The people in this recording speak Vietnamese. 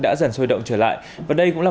đã dần sôi động trở lại và đây cũng là